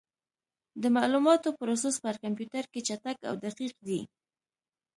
د معلوماتو پروسس په کمپیوټر کې چټک او دقیق دی.